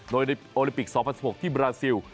โดยในโอลิมปิก๒๐๑๖ที่บราซิล